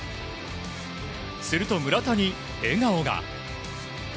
すると村田に笑顔が。